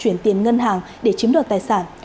chuyển tiền ngân hàng để chiếm đoạt tài sản